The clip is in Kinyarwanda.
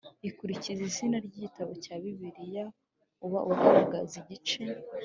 ukurikira izina ry igitabo cya Bibiliya uba ugaragaza igice